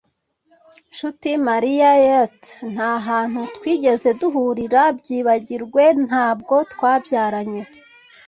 “Nshuti Mariah Yeater…Nta hantu twigeze duhurira…Byibagirwe ntabwo twabyaranye